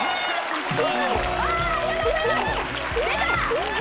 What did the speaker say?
おおありがとうございます出た！